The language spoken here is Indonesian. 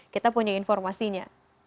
kita punya informasinya